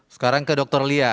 sekarang ke dokter lia